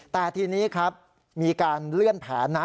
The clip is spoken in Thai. แต่ทีนี้ครับมีการเลื่อนแผนนะ